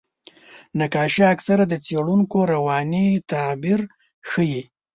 نقاشي اکثره د څېړونکو رواني تعبیر ښيي.